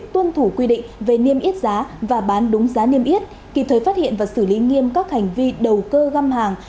tuân thủ quy định về niêm yết giá và bán đúng giá niêm yết kịp thời phát hiện và xử lý nghiêm các hành vi đầu cơ găm hàng